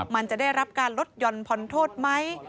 มันจะได้รับการลดหย่อนผ่อนโทษไหม